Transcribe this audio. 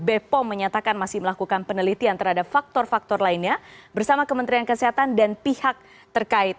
bepom menyatakan masih melakukan penelitian terhadap faktor faktor lainnya bersama kementerian kesehatan dan pihak terkait